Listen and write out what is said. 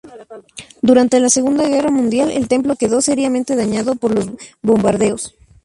Durante la Segunda Guerra Mundial, el templo quedó seriamente dañado por los bombardeos.